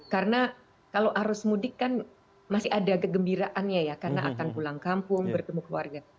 karena kalau arus mudik kan masih ada kegembiraannya ya karena akan pulang kampung bertemu keluarga